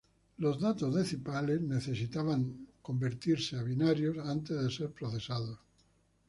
Los datos decimales requerían ser convertidos a binario antes de ser procesados.